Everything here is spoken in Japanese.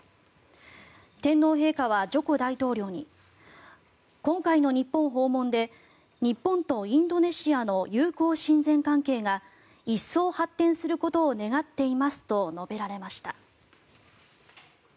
天皇陛下はジョコ大統領に今回の日本訪問で日本とインドネシアの友好親善関係が一層発展することを願っていますと述べられました。